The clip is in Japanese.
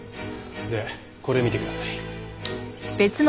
でこれ見てください。